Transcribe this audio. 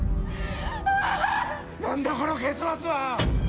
何だ、この結末は！